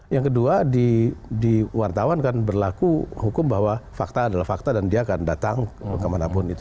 yang kedua di wartawan kan berlaku hukum bahwa fakta adalah fakta dan dia akan datang kemanapun itu